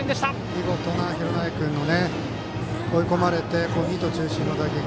見事な廣内君の追い込まれてミート中心の打撃。